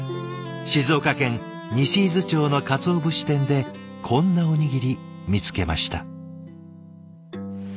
静岡県西伊豆町の鰹節店でこんなおにぎり見つけました。